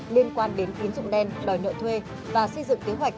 liên quan đến tín dụng đen đòi nợ thuê và xây dựng kế hoạch